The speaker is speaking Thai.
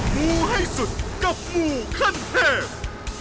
หมู่ให้สุดกับหมู่ขั้นแพง